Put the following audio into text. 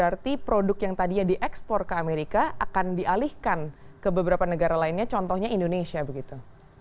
berarti produk yang tadinya diekspor ke amerika akan dialihkan ke beberapa negara lainnya contohnya indonesia begitu